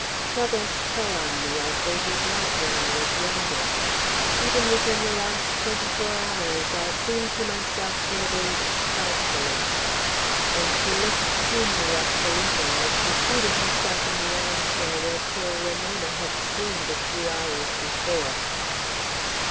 Troubles tell on me as they did not when I was younger. Even within the last twenty four hours I seem to myself to have aged frightfully;" and she looked keenly at Felipe as she seated herself in the arm chair where poor Ramona had swooned a few hours before.